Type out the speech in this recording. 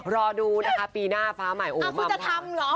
รอดูนะคะปีหน้าเฟ้าหมายอาทิตย์มัมพลอย